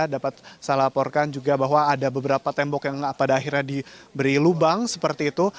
dapat saya laporkan juga bahwa ada beberapa tembok yang pada akhirnya diberi lubang seperti itu